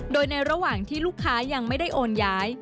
โดยในระหว่างที่ลูกค้ายังไม่ได้โอนย้าย